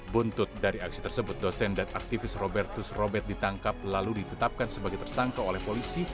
buntut dari aksi tersebut dosen dan aktivis robertus robert ditangkap lalu ditetapkan sebagai tersangka oleh polisi